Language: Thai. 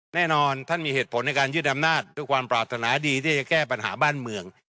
แน่นอนท่านมีเหตุผลในการยืดอำนาจด้วยความปรารถนาดีที่จะแก้ปัญหาบ้านเมือง